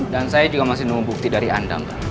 dan saya juga masih menunggu bukti dari anda pak